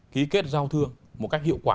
ký kết giao thương một cách hiệu quả